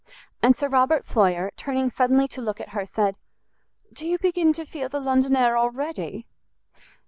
And Sir Robert Floyer, turning suddenly to look at her, said, "Do you begin to feel the London air already?"